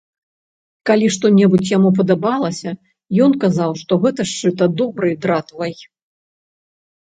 Калі што-небудзь яму падабалася, ён казаў, што гэта сшыта добрай дратвай.